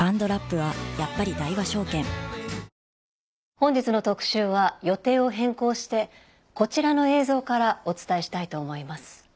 本日の特集は予定を変更してこちらの映像からお伝えしたいと思います。